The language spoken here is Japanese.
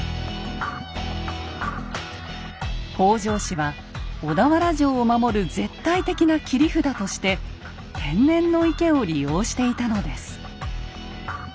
北条氏は小田原城を守る絶対的な切り札として天然の池を利用していたのです。